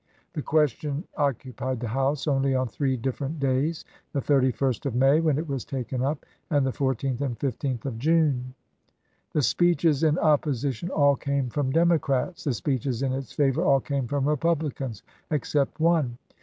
The question occupied the House only on three different days — the 31st of May, when it was taken up, and the 14th and 15th of June. The speeches in opposition all came from Democrats; the speeches in its favor all came from Republicans, except one.